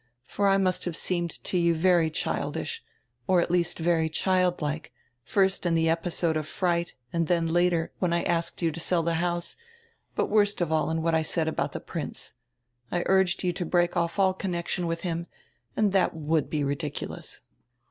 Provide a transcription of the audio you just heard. For I nrust have seenred to you very childish, or at least very childlike, first in tire episode of fright and then, later, when I asked you to sell the house, but worst of all in what I said about tire Prince. I urged you to break off all connection with him, and that would be ridiculous.